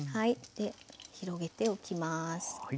広げておきます。